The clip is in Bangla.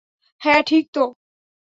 হ্যাঁ, ঠিক তো।